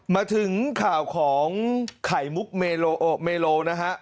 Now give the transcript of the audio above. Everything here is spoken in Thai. มาถึงข่าวของไข่มุกเมโลนะครับ